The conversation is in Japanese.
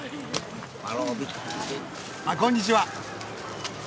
あこんにちは。